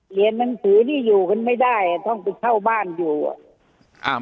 เหลียนหนังสือที่อยู่กันไม่ได้ต้องไปเข้าบ้านอยู่